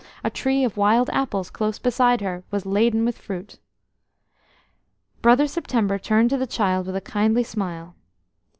A tree of wild apples close beside her was laden with fruit. Brother September turned to the child with a kindly smile.